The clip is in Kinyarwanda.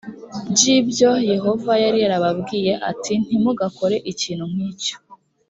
j ibyo yehova yari yarababwiye ati ntimugakore ikintu nk icyo